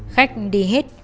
khách đi hết